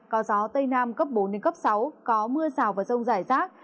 cao gió tây nam cấp bốn sáu có mưa rào và rông giải rác